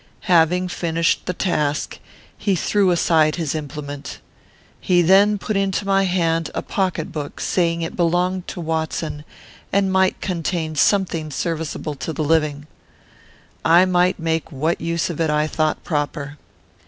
Having finished the task, he threw aside his implement. He then put into my hand a pocket book, saying it belonged to Watson, and might contain something serviceable to the living. I might make what use of it I thought proper.